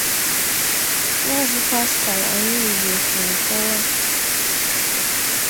Maazị Pascal Anigbo siri kọwaa